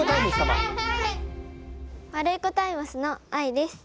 ワルイコタイムスのあいです。